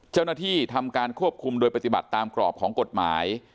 ทำการควบคุมโดยปฏิบัติตามกรอบของกฎหมาย